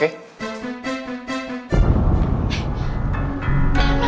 ini jaket kebangsaan lu kan